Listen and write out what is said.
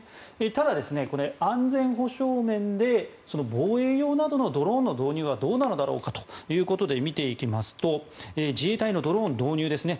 ただ、これ、安全保障面で防衛用などのドローンの導入はどうなんだろうかということで見ていきますと自衛隊のドローン導入ですね。